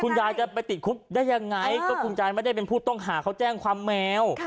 ยายจะไปติดคุกได้ยังไงก็คุณยายไม่ได้เป็นผู้ต้องหาเขาแจ้งความแมว